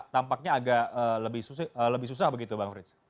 tampaknya agak lebih susah begitu bang frits